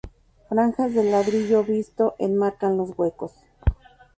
Franjas de ladrillo visto enmarcan los huecos.